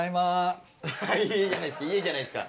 家じゃないですか。